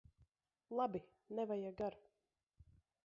Labi! Nevajag ar'.